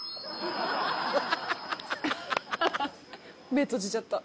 目閉じちゃった。